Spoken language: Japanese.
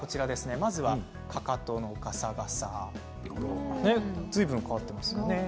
まずは、かかとのガサガサずいぶん変わってますよね。